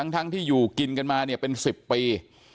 ทั้งที่อยู่กินกันมาเนี่ยเป็น๑๐ปี